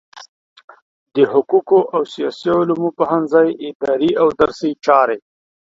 د حقوقو او سیاسي علومو پوهنځی اداري او درسي چارې